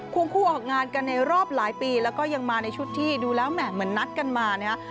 วงคู่ออกงานกันในรอบหลายปีแล้วก็ยังมาในชุดที่ดูแล้วแหม่เหมือนนัดกันมานะฮะ